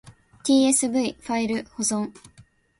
tsv ファイル保存